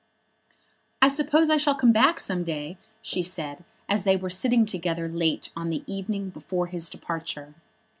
"I suppose I shall come back some day," she said, as they were sitting together late on the evening before his departure.